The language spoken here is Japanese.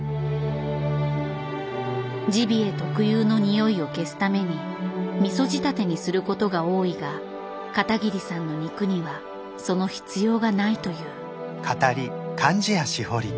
ジビエ特有のにおいを消すためにみそ仕立てにすることが多いが片桐さんの肉にはその必要がないという。